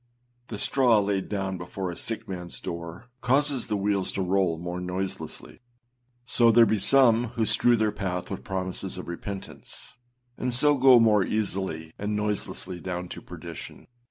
The straw laid down before a sick manâs door causes the wheels to roll more noiselessly. So there be some who strew their path with promises of repentance, and so go more easily and noiselessly down to perdition.